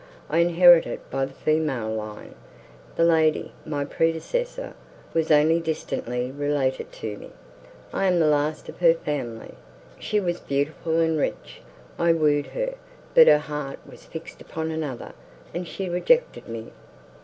I inherit it by the female line. The lady, my predecessor, was only distantly related to me; I am the last of her family. She was beautiful and rich; I wooed her; but her heart was fixed upon another, and she rejected me.